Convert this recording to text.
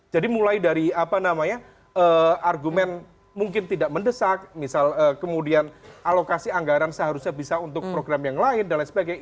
jadi mulai dari argumen mungkin tidak mendesak misal kemudian alokasi anggaran seharusnya bisa untuk program yang lain dan lain sebagainya